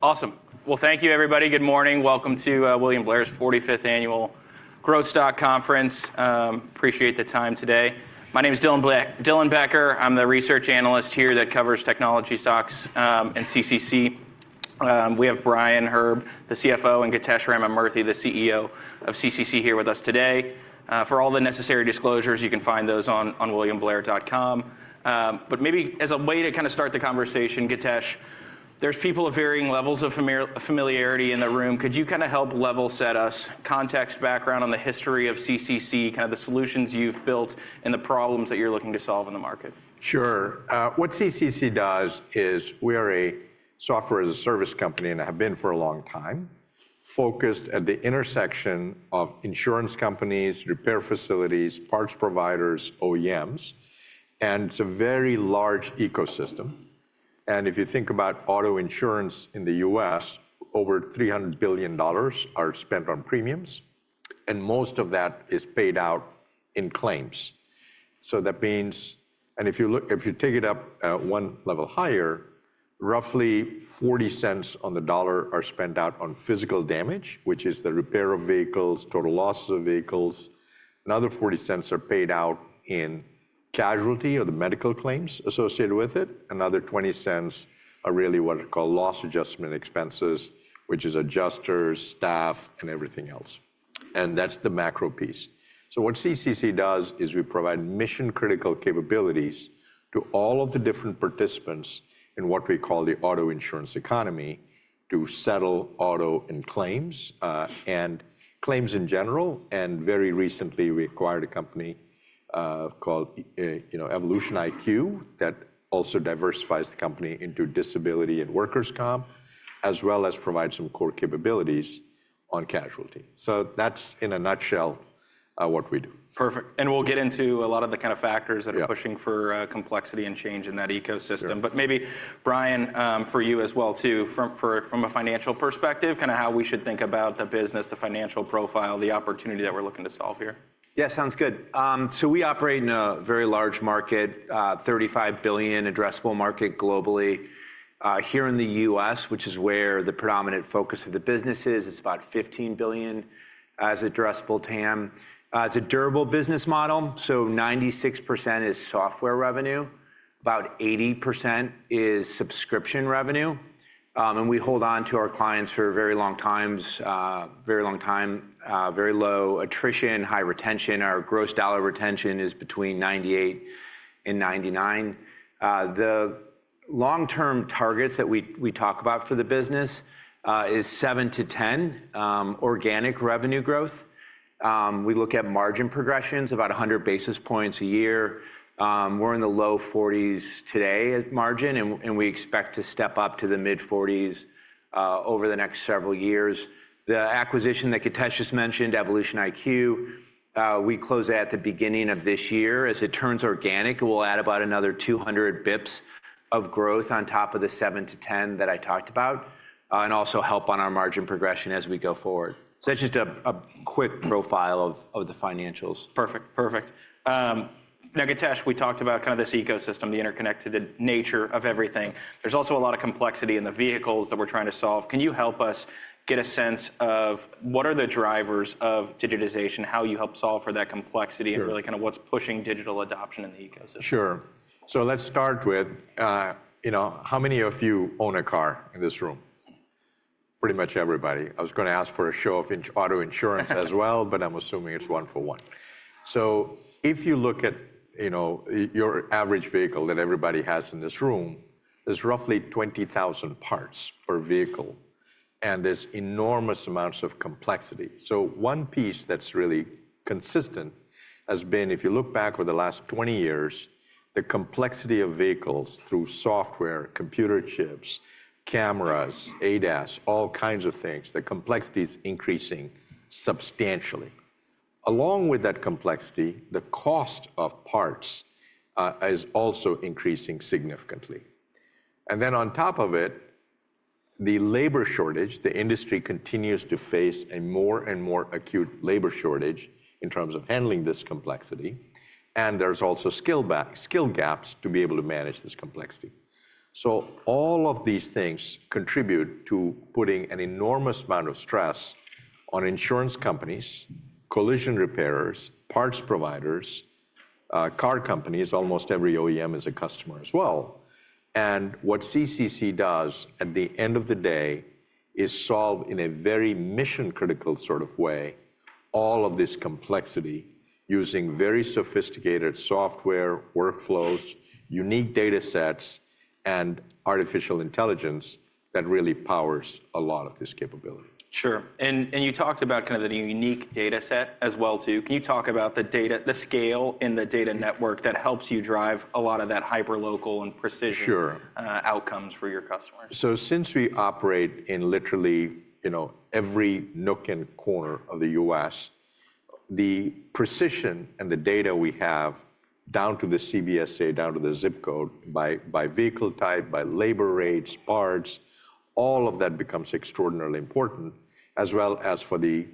Awesome. Thank you, everybody. Good morning. Welcome to William Blair's 45th Annual Growth Stock Conference. Appreciate the time today. My name is Dylan Becker. I'm the research analyst here that covers technology stocks and CCC. We have Brian Herb, the CFO, and Githesh Ramamurthy, the CEO of CCC, here with us today. For all the necessary disclosures, you can find those on williamblair.com. Maybe as a way to kind of start the conversation, Githesh, there are people of varying levels of familiarity in the room. Could you kind of help level set us, context, background on the history of CCC, kind of the solutions you've built, and the problems that you're looking to solve in the market? Sure. What CCC does is we are a software as a service company and have been for a long time, focused at the intersection of insurance companies, repair facilities, parts providers, OEMs. It is a very large ecosystem. If you think about auto insurance in the U.S., over $300 billion are spent on premiums. Most of that is paid out in claims. That means, if you take it up one level higher, roughly $0.40 on the dollar are spent out on physical damage, which is the repair of vehicles, total losses of vehicles. Another $0.40 are paid out in casualty or the medical claims associated with it. Another $0.20 are really what are called loss adjustment expenses, which is adjusters, staff, and everything else. And that's the macro piece. What CCC does is we provide mission-critical capabilities to all of the different participants in what we call the auto insurance economy to settle auto and claims, and claims in general. Very recently, we acquired a company called EvolutionIQ that also diversifies the company into disability and workers' comp, as well as provides some core capabilities on casualty. That's, in a nutshell, what we do. Perfect. We'll get into a lot of the kind of factors that are pushing for complexity and change in that ecosystem. Maybe, Brian, for you as well, too, from a financial perspective, kind of how we should think about the business, the financial profile, the opportunity that we're looking to solve here. Yeah, sounds good. We operate in a very large market, $35 billion addressable market globally. Here in the U.S., which is where the predominant focus of the business is, it is about $15 billion as addressable TAM. It is a durable business model. 96% is software revenue, about 80% is subscription revenue. We hold on to our clients for a very long time, very low attrition, high retention. Our gross dollar retention is between 98% and 99%. The long-term targets that we talk about for the business is 7%-10% organic revenue growth. We look at margin progressions, about 100 basis points a year. We are in the low 40s today at margin, and we expect to step up to the mid-40s over the next several years. The acquisition that Githesh just mentioned, EvolutionIQ, we closed that at the beginning of this year. As it turns organic, we'll add about another 200 basis points of growth on top of the 7-10 that I talked about, and also help on our margin progression as we go forward. That's just a quick profile of the financials. Perfect. Perfect. Now, Githesh, we talked about kind of this ecosystem, the interconnected nature of everything. There's also a lot of complexity in the vehicles that we're trying to solve. Can you help us get a sense of what are the drivers of digitization, how you help solve for that complexity, and really kind of what's pushing digital adoption in the ecosystem? Sure. Let's start with how many of you own a car in this room? Pretty much everybody. I was going to ask for a show of auto insurance as well, but I'm assuming it's one for one. If you look at your average vehicle that everybody has in this room, there's roughly 20,000 parts per vehicle. And there's enormous amounts of complexity. One piece that's really consistent has been, if you look back over the last 20 years, the complexity of vehicles through software, computer chips, cameras, ADAS, all kinds of things, the complexity is increasing substantially. Along with that complexity, the cost of parts is also increasing significantly. And on top of it, the labor shortage, the industry continues to face a more and more acute labor shortage in terms of handling this complexity. There are also skill gaps to be able to manage this complexity. All of these things contribute to putting an enormous amount of stress on insurance companies, collision repairers, parts providers, car companies. Almost every OEM is a customer as well. What CCC does at the end of the day is solve in a very mission-critical sort of way all of this complexity using very sophisticated software workflows, unique data sets, and artificial intelligence that really powers a lot of this capability. Sure. You talked about kind of the unique data set as well, too. Can you talk about the scale in the data network that helps you drive a lot of that hyperlocal and precision outcomes for your customers? Since we operate in literally every nook and corner of the U.S., the precision and the data we have down to the CBSA, down to the zip code, by vehicle type, by labor rates, parts, all of that becomes extraordinarily important, as well as for the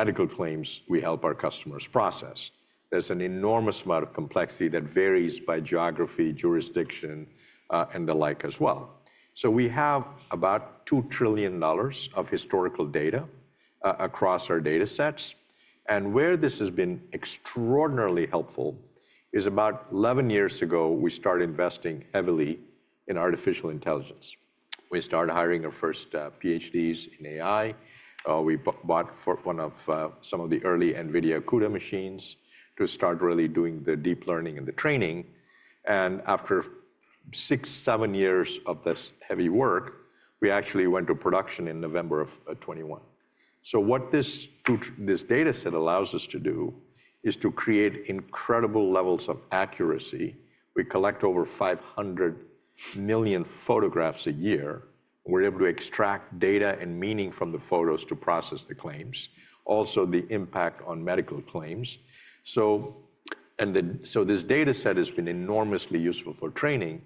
medical claims we help our customers process. There is an enormous amount of complexity that varies by geography, jurisdiction, and the like as well. We have about $2 trillion of historical data across our data sets. Where this has been extraordinarily helpful is about 11 years ago, we started investing heavily in AI. We started hiring our first PhDs in AI. We bought some of the early NVIDIA CUDA machines to start really doing the deep learning and the training. After six, seven years of this heavy work, we actually went to production in November of 2021. What this data set allows us to do is to create incredible levels of accuracy. We collect over 500 million photographs a year. We're able to extract data and meaning from the photos to process the claims, also the impact on medical claims. This data set has been enormously useful for training.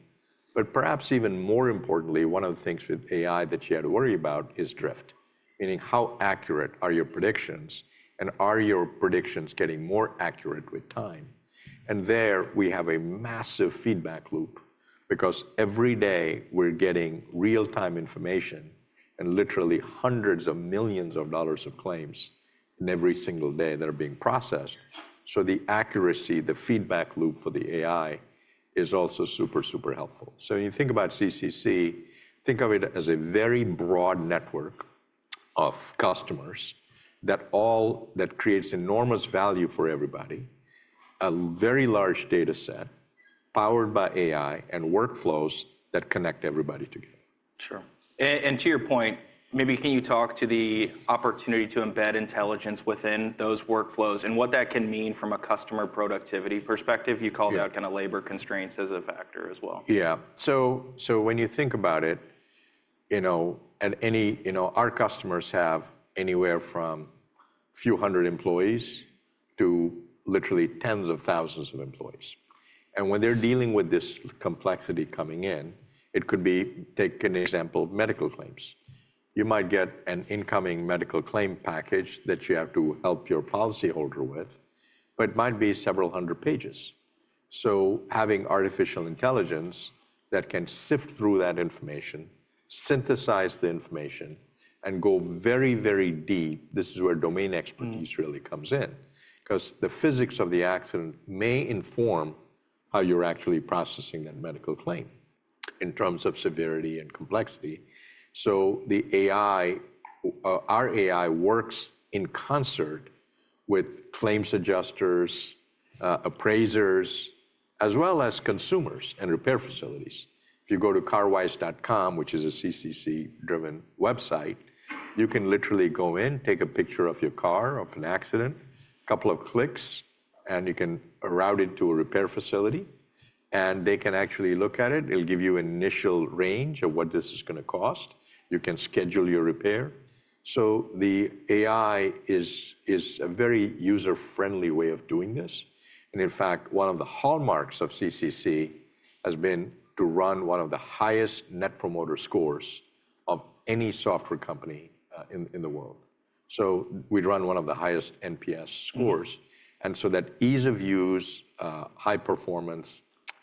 Perhaps even more importantly, one of the things with AI that you had to worry about is drift, meaning how accurate are your predictions, and are your predictions getting more accurate with time? There we have a massive feedback loop because every day we're getting real-time information and literally hundreds of millions of dollars of claims in every single day that are being processed. The accuracy, the feedback loop for the AI is also super, super helpful. When you think about CCC, think of it as a very broad network of customers that creates enormous value for everybody, a very large data set powered by AI and workflows that connect everybody together. Sure. To your point, maybe can you talk to the opportunity to embed intelligence within those workflows and what that can mean from a customer productivity perspective? You called out kind of labor constraints as a factor as well. Yeah. So when you think about it, our customers have anywhere from a few hundred employees to literally tens of thousands of employees. When they're dealing with this complexity coming in, it could be take an example of medical claims. You might get an incoming medical claim package that you have to help your policyholder with, but it might be several hundred pages. Having artificial intelligence that can sift through that information, synthesize the information, and go very, very deep, this is where domain expertise really comes in because the physics of the accident may inform how you're actually processing that medical claim in terms of severity and complexity. Our AI works in concert with claims adjusters, appraisers, as well as consumers and repair facilities. If you go to Carwise.com, which is a CCC-driven website, you can literally go in, take a picture of your car, of an accident, a couple of clicks, and you can route it to a repair facility. They can actually look at it. It will give you an initial range of what this is going to cost. You can schedule your repair. The AI is a very user-friendly way of doing this. In fact, one of the hallmarks of CCC has been to run one of the highest net promoter scores of any software company in the world. We run one of the highest NPS scores. That ease of use, high performance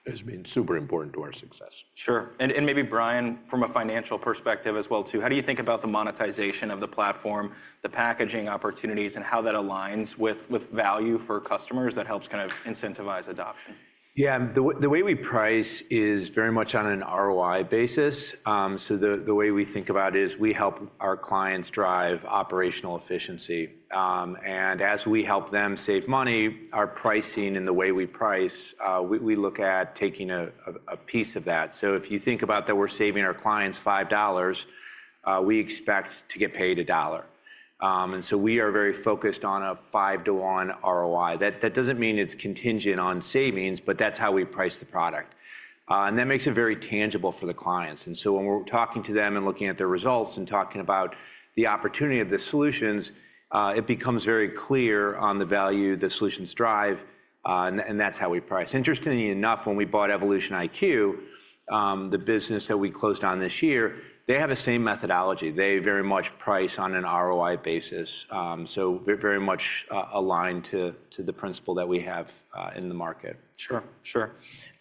has been super important to our success. Sure. Maybe, Brian, from a financial perspective as well, too, how do you think about the monetization of the platform, the packaging opportunities, and how that aligns with value for customers that helps kind of incentivize adoption? Yeah. The way we price is very much on an ROI basis. The way we think about it is we help our clients drive operational efficiency. As we help them save money, our pricing and the way we price, we look at taking a piece of that. If you think about that, we're saving our clients $5, we expect to get paid $1. We are very focused on a five-to-one ROI. That does not mean it is contingent on savings, but that is how we price the product. That makes it very tangible for the clients. When we are talking to them and looking at their results and talking about the opportunity of the solutions, it becomes very clear on the value the solutions drive. That's how we price. Interestingly enough, when we bought EvolutionIQ, the business that we closed on this year, they have the same methodology. They very much price on an ROI basis, so very much aligned to the principle that we have in the market. Sure. Sure.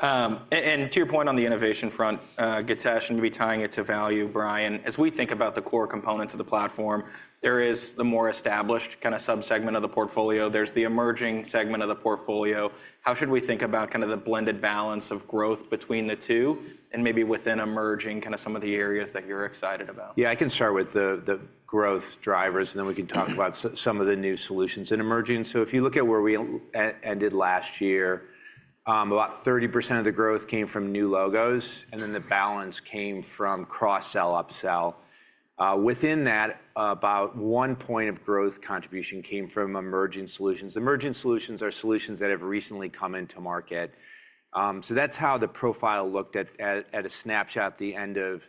To your point on the innovation front, Githesh, and maybe tying it to value, Brian, as we think about the core components of the platform, there is the more established kind of subsegment of the portfolio. There is the emerging segment of the portfolio. How should we think about kind of the blended balance of growth between the two and maybe within emerging kind of some of the areas that you're excited about? Yeah, I can start with the growth drivers, and then we can talk about some of the new solutions in emerging. If you look at where we ended last year, about 30% of the growth came from new logos, and then the balance came from cross-sell, upsell. Within that, about one point of growth contribution came from emerging solutions. Emerging solutions are solutions that have recently come into market. That's how the profile looked at a snapshot at the end of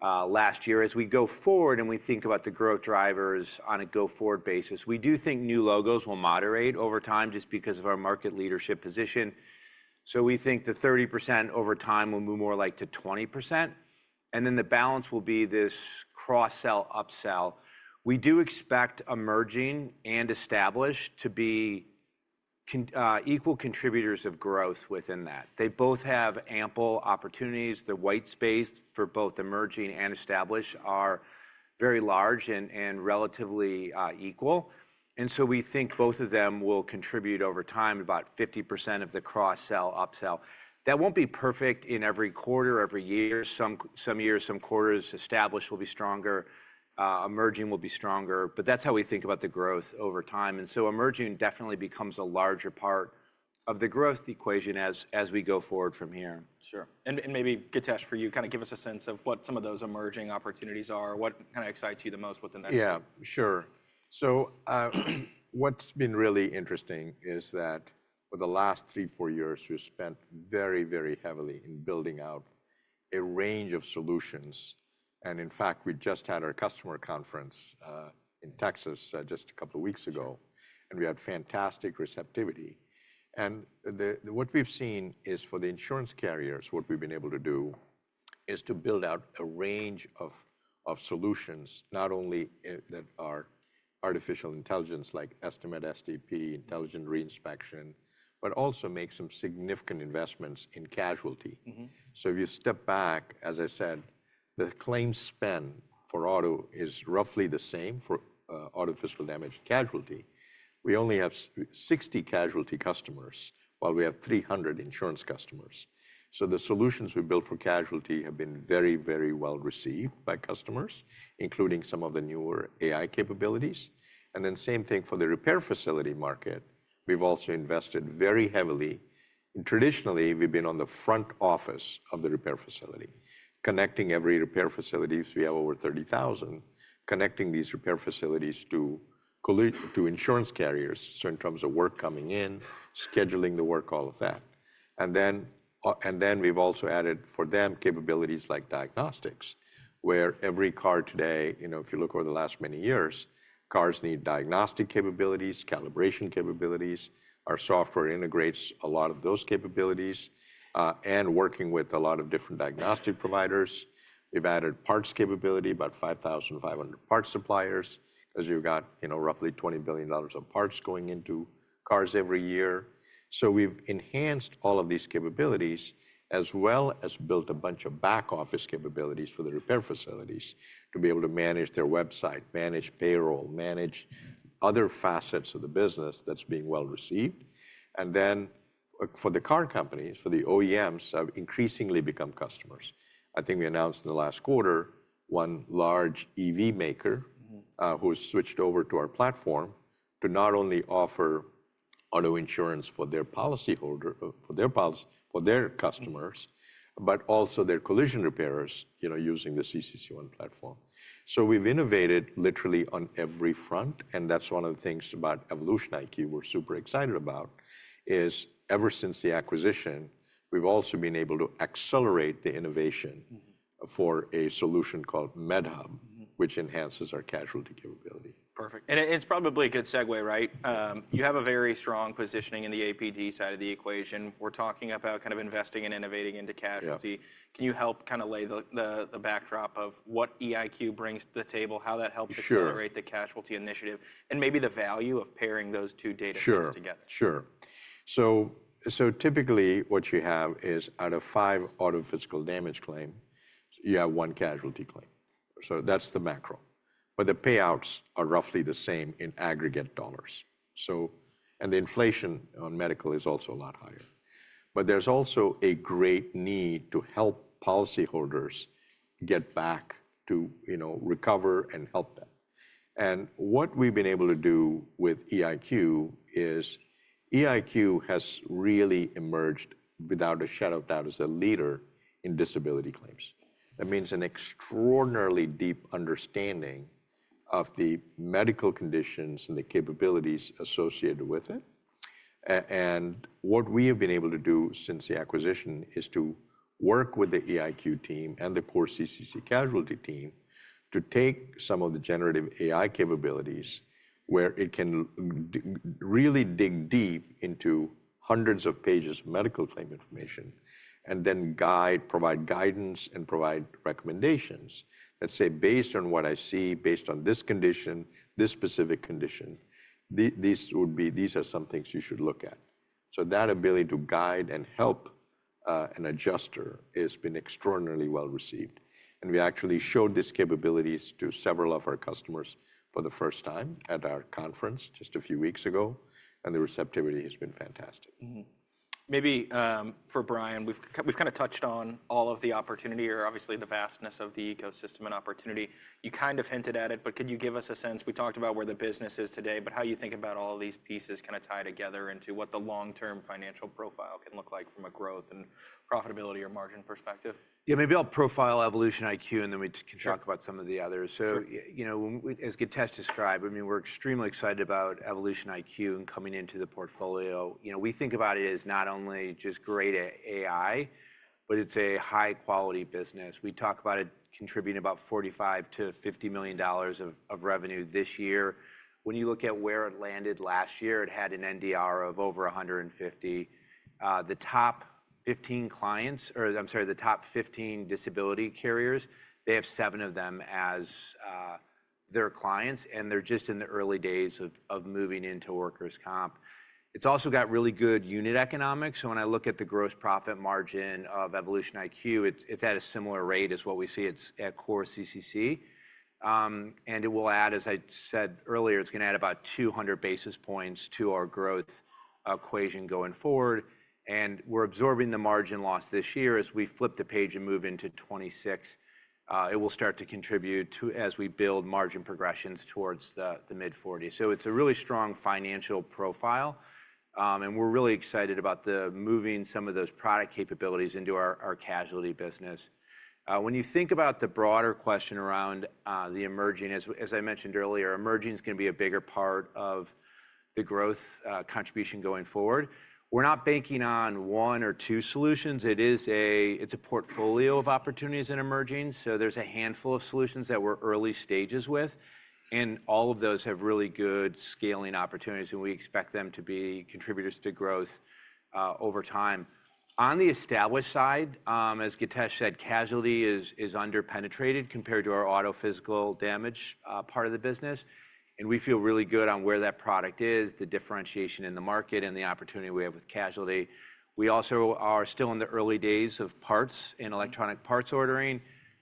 last year. As we go forward and we think about the growth drivers on a go-forward basis, we do think new logos will moderate over time just because of our market leadership position. We think the 30% over time will move more like to 20%. Then the balance will be this cross-sell, upsell. We do expect emerging and established to be equal contributors of growth within that. They both have ample opportunities. The white space for both emerging and established are very large and relatively equal. And so we think both of them will contribute over time about 50% of the cross-sell, upsell. That will not be perfect in every quarter, every year. Some years, some quarters, established will be stronger, emerging will be stronger. That's how we think about the growth over time. Emerging definitely becomes a larger part of the growth equation as we go forward from here. Sure. Maybe, Githesh, for you, kind of give us a sense of what some of those emerging opportunities are, what kind of excites you the most within that. Yeah, sure. What's been really interesting is that for the last three, four years, we've spent very, very heavily in building out a range of solutions. And in fact, we just had our customer conference in Texas just a couple of weeks ago, and we had fantastic receptivity. What we've seen is for the insurance carriers, what we've been able to do is to build out a range of solutions, not only that are artificial intelligence like Estimate STP, Intelligent Reinspection, but also make some significant investments in casualty. If you step back, as I said, the claim spend for auto is roughly the same for auto physical damage casualty. We only have 60 casualty customers, while we have 300 insurance customers. The solutions we built for casualty have been very, very well received by customers, including some of the newer AI capabilities. The same thing for the repair facility market. We've also invested very heavily. Traditionally, we've been on the front office of the repair facility, connecting every repair facility. We have over 30,000 connecting these repair facilities to insurance carriers. In terms of work coming in, scheduling the work, all of that. And then we've also added for them capabilities like diagnostics, where every car today, if you look over the last many years, cars need diagnostic capabilities, calibration capabilities. Our software integrates a lot of those capabilities and working with a lot of different diagnostic providers. We've added parts capability, about 5,500 parts suppliers, because you've got roughly $20 billion of parts going into cars every year. So we have enhanced all of these capabilities, as well as built a bunch of back-office capabilities for the repair facilities to be able to manage their website, manage payroll, manage other facets of the business that is being well received. For the car companies, the OEMs have increasingly become customers. I think we announced in the last quarter one large EV maker who has switched over to our platform to not only offer auto insurance for their policyholder, for their customers, but also their collision repairers using the CCC ONE platform. We have innovated literally on every front. And that's one of the things about EvolutionIQ we are super excited about is ever since the acquisition, we have also been able to accelerate the innovation for a solution called MedHub, which enhances our casualty capability. Perfect. It is probably a good segue, right? You have a very strong positioning in the APD side of the equation. We are talking about kind of investing and innovating into casualty. Can you help kind of lay the backdrop of what EIQ brings to the table, how that helps accelerate the casualty initiative, and maybe the value of pairing those two data points together? Sure. Typically what you have is out of five auto physical damage claims, you have one casualty claim. That is the macro. The payouts are roughly the same in aggregate dollars. The inflation on medical is also a lot higher. There is also a great need to help policyholders get back to recover and help them. What we have been able to do with EIQ is EIQ has really emerged without a shadow of doubt as a leader in disability claims. That means an extraordinarily deep understanding of the medical conditions and the capabilities associated with it. And what we have been able to do since the acquisition is to work with the EIQ team and the core CCC casualty team to take some of the generative AI capabilities where it can really dig deep into hundreds of pages of medical claim information and then provide guidance and provide recommendations that say, based on what I see, based on this condition, this specific condition, these are some things you should look at. That ability to guide and help an adjuster has been extraordinarily well received. We actually showed these capabilities to several of our customers for the first time at our conference just a few weeks ago. The receptivity has been fantastic. Maybe for Brian, we've kind of touched on all of the opportunity or obviously the vastness of the ecosystem and opportunity. You kind of hinted at it, but could you give us a sense? We talked about where the business is today, but how you think about all these pieces kind of tied together into what the long-term financial profile can look like from a growth and profitability or margin perspective? Yeah, maybe I'll profile EvolutionIQ, and then we can talk about some of the others. As Githesh described, I mean, we're extremely excited about EvolutionIQ and coming into the portfolio. We think about it as not only just great AI, but it's a high-quality business. We talk about it contributing about $45-$50 million of revenue this year. When you look at where it landed last year, it had an NDR of over 150%. The top 15 clients, or I'm sorry, the top 15 disability carriers, they have seven of them as their clients, and they're just in the early days of moving into workers' comp. It's also got really good unit economics. When I look at the gross profit margin of EvolutionIQ, it's at a similar rate as what we see at core CCC. It will add, as I said earlier, it's going to add about 200 basis points to our growth equation going forward. And we're absorbing the margin loss this year. As we flip the page and move into 2026, it will start to contribute to, as we build margin progressions towards the mid-40s. It is a really strong financial profile. We're really excited about moving some of those product capabilities into our casualty business. When you think about the broader question around the emerging, as I mentioned earlier, emerging is going to be a bigger part of the growth contribution going forward. We're not banking on one or two solutions. It's a portfolio of opportunities in emerging. There is a handful of solutions that we're early stages with. All of those have really good scaling opportunities, and we expect them to be contributors to growth over time. On the established side, as Githesh said, casualty is underpenetrated compared to our auto physical damage part of the business. We feel really good on where that product is, the differentiation in the market, and the opportunity we have with casualty. We also are still in the early days of parts and electronic parts ordering.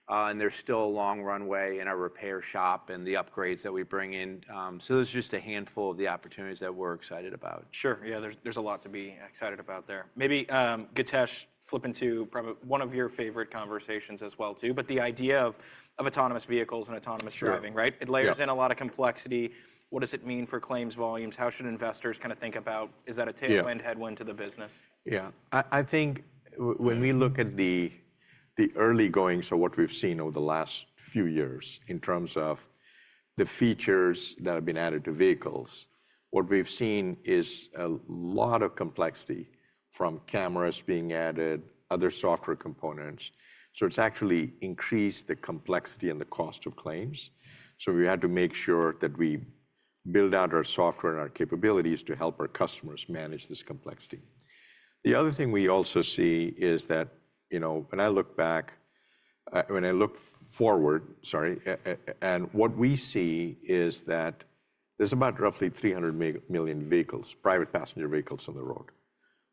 There is still a long runway in our repair shop and the upgrades that we bring in. There are just a handful of the opportunities that we are excited about. Sure. Yeah, there's a lot to be excited about there. Maybe Githesh, flip into probably one of your favorite conversations as well, too, but the idea of autonomous vehicles and autonomous driving, right? It layers in a lot of complexity. What does it mean for claims volumes? How should investors kind of think about, is that a tailwind, headwind to the business? Yeah. I think when we look at the early goings, what we've seen over the last few years in terms of the features that have been added to vehicles, what we've seen is a lot of complexity from cameras being added, other software components. It's actually increased the complexity and the cost of claims. We had to make sure that we build out our software and our capabilities to help our customers manage this complexity. The other thing we also see is that when I look back, when I look forward, sorry, what we see is that there's about roughly 300 million vehicles, private passenger vehicles on the road.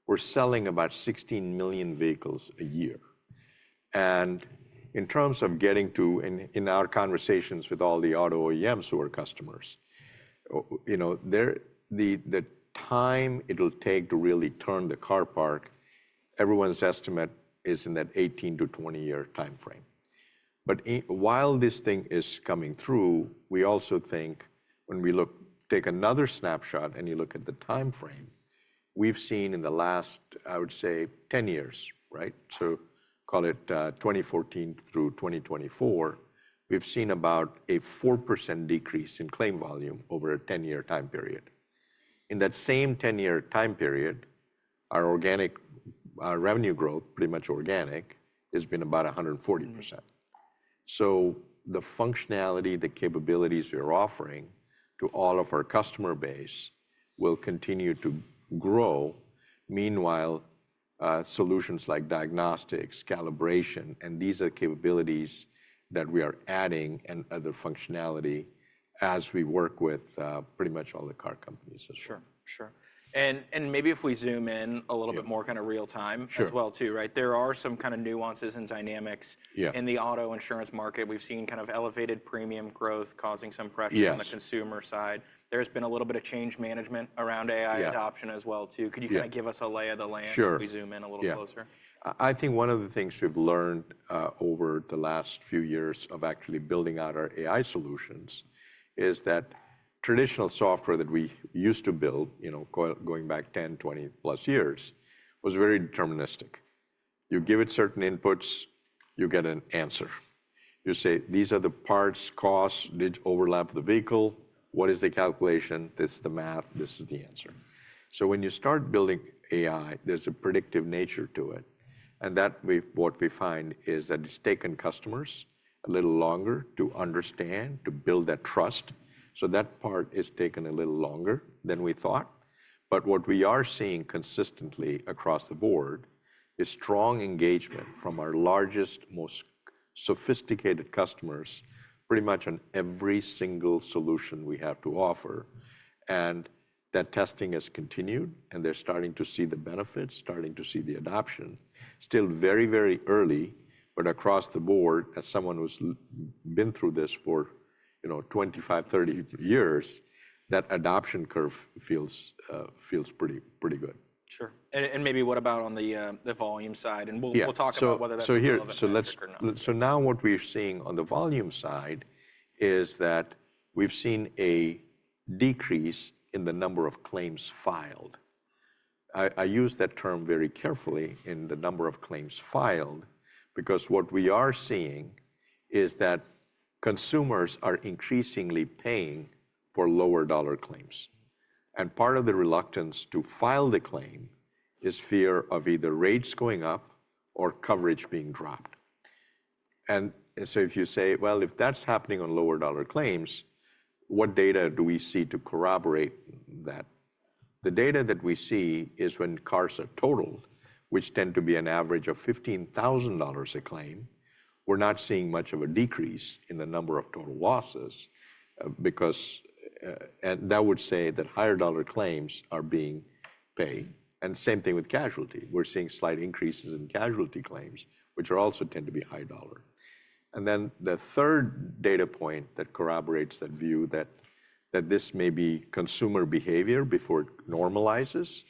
We're selling about 16 million vehicles a year. In terms of getting to, in our conversations with all the auto OEMs who are customers, the time it'll take to really turn the car park, everyone's estimate is in that 18-20 year time frame. While this thing is coming through, we also think when we take another snapshot and you look at the time frame, we've seen in the last, I would say, 10 years, right? Call it 2014-2024, we've seen about a 4% decrease in claim volume over a 10-year time period. In that same 10-year time period, our organic revenue growth, pretty much organic, has been about 140%. So the functionality, the capabilities we are offering to all of our customer base will continue to grow. Meanwhile, solutions like diagnostics, calibration, and these are capabilities that we are adding and other functionality as we work with pretty much all the car companies as well. Sure, sure. Maybe if we zoom in a little bit more kind of real-time as well, too, right? There are some kind of nuances and dynamics in the auto insurance market. We've seen kind of elevated premium growth causing some pressure on the consumer side. There's been a little bit of change management around AI adoption as well, too. Could you kind of give us a lay of the land as we zoom in a little closer? Yeah. I think one of the things we've learned over the last few years of actually building out our AI solutions is that traditional software that we used to build, going back 10+, 20+ years, was very deterministic. You give it certain inputs, you get an answer. You say, these are the parts, costs, did overlap the vehicle, what is the calculation, this is the math, this is the answer. When you start building AI, there's a predictive nature to it. What we find is that it's taken customers a little longer to understand, to build that trust. That part is taken a little longer than we thought. But what we are seeing consistently across the board is strong engagement from our largest, most sophisticated customers pretty much on every single solution we have to offer. That testing has continued, and they're starting to see the benefits, starting to see the adoption. Still very, very early, but across the board, as someone who's been through this for 25-30 years, that adoption curve feels pretty good. Sure. And maybe what about on the volume side? We'll talk about whether that's a little bit of a discreet number. Now what we're seeing on the volume side is that we've seen a decrease in the number of claims filed. I use that term very carefully, in the number of claims filed, because what we are seeing is that consumers are increasingly paying for lower dollar claims. Part of the reluctance to file the claim is fear of either rates going up or coverage being dropped. If you say, well, if that's happening on lower dollar claims, what data do we see to corroborate that? The data that we see is when cars are totaled, which tend to be an average of $15,000 a claim. We're not seeing much of a decrease in the number of total losses, because that would say that higher dollar claims are being paid. Same thing with casualty. We're seeing slight increases in casualty claims, which also tend to be high dollar. The third data point that corroborates that view that this may be consumer behavior before it normalizes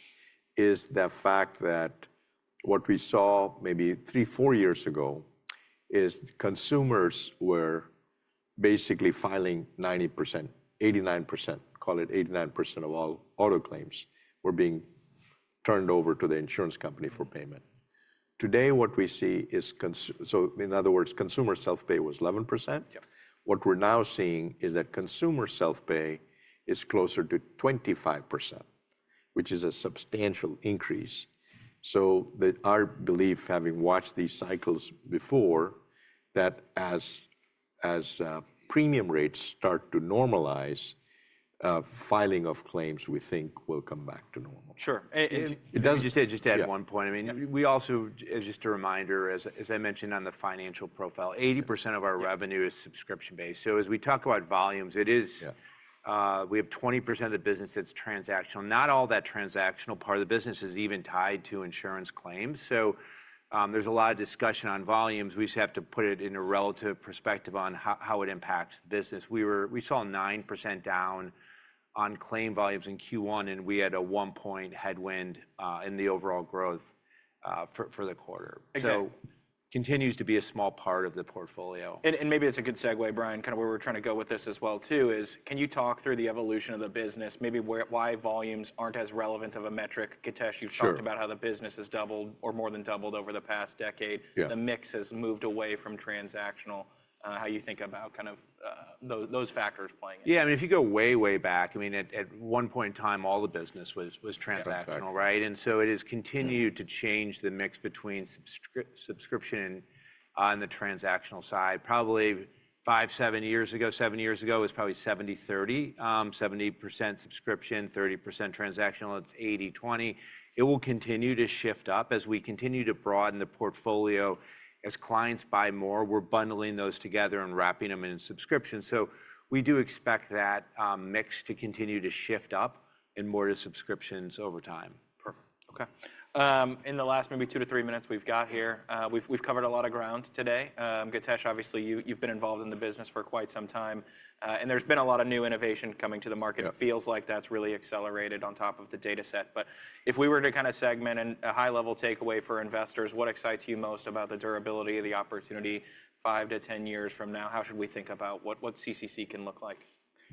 is the fact that what we saw maybe three, four years ago is consumers were basically filing 90%, 89%, call it 89% of all auto claims were being turned over to the insurance company for payment. Today, what we see is, in other words, consumer self-pay was 11%. What we're now seeing is that consumer self-pay is closer to 25%, which is a substantial increase. Our belief, having watched these cycles before, is that as premium rates start to normalize, filing of claims we think will come back to normal. Sure. You said just to add one point. I mean, we also, as just a reminder, as I mentioned on the financial profile, 80% of our revenue is subscription-based. As we talk about volumes, we have 20% of the business that's transactional. Not all that transactional part of the business is even tied to insurance claims. So there's a lot of discussion on volumes. We just have to put it in a relative perspective on how it impacts the business. This is where we saw 9% down on claim volumes in Q1, and we had a one-point headwind in the overall growth for the quarter. Continues to be a small part of the portfolio. Maybe that's a good segue, Brian, kind of where we're trying to go with this as well, too, is can you talk through the evolution of the business? Maybe why volumes aren't as relevant of a metric? Githesh, you've talked about how the business has doubled or more than doubled over the past decade. The mix has moved away from transactional. How do you think about kind of those factors playing? Yeah, I mean, if you go way, way back, I mean, at one point in time, all the business was transactional, right? And so it has continued to change the mix between subscription and the transactional side. Probably five, seven years ago, seven years ago, it was probably 70-30, 70% subscription, 30% transactional. It's 80-20. It will continue to shift up as we continue to broaden the portfolio. As clients buy more, we're bundling those together and wrapping them in subscription. We do expect that mix to continue to shift up and more to subscriptions over time. Perfect. Okay. In the last maybe two to three minutes we've got here, we've covered a lot of ground today. Githesh, obviously, you've been involved in the business for quite some time. There's been a lot of new innovation coming to the market. It feels like that's really accelerated on top of the data set. If we were to kind of segment and a high-level takeaway for investors, what excites you most about the durability of the opportunity 5-10 years from now? How should we think about what CCC can look like?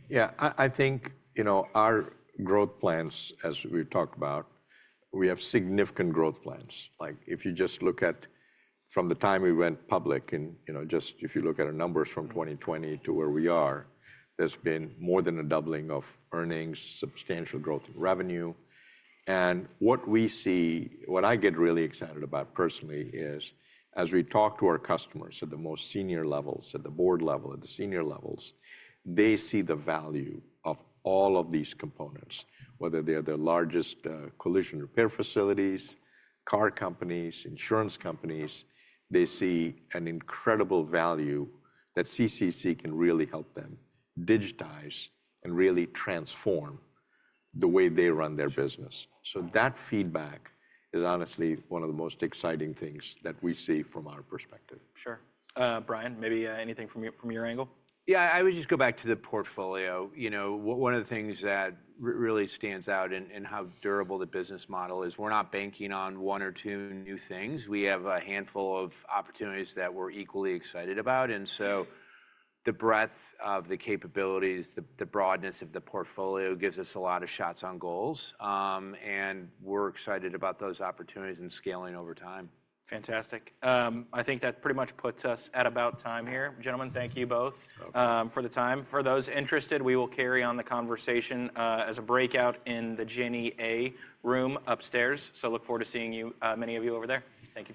Yeah, I think our growth plans, as we've talked about, we have significant growth plans. If you just look at from the time we went public, just if you look at our numbers from 2020 to where we are, there's been more than a doubling of earnings, substantial growth in revenue. And what we see, what I get really excited about personally is as we talk to our customers at the most senior levels, at the board level, at the senior levels, they see the value of all of these components, whether they're the largest collision repair facilities, car companies, insurance companies. They see an incredible value that CCC can really help them digitize and really transform the way they run their business. So that feedback is honestly one of the most exciting things that we see from our perspective. Sure. Brian, maybe anything from your angle? Yeah, I would just go back to the portfolio. One of the things that really stands out in how durable the business model is we're not banking on one or two new things. We have a handful of opportunities that we're equally excited about. The breadth of the capabilities, the broadness of the portfolio gives us a lot of shots on goals. We're excited about those opportunities and scaling over time. Fantastic. I think that pretty much puts us at about time here. Gentlemen, thank you both for the time. For those interested, we will carry on the conversation as a breakout in the Jenny A room upstairs. I look forward to seeing many of you over there. Thank you.